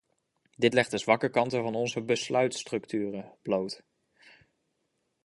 Dit legt de zwakke kanten van onze besluitstructuren bloot.